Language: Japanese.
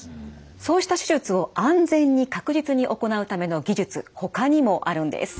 そうした手術を安全に確実に行うための技術ほかにもあるんです。